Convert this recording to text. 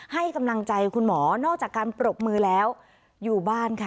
ให้กำลังใจคุณหมอนอกจากการปรบมือแล้วอยู่บ้านค่ะ